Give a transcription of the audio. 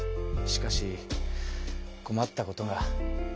しかしこまったことが。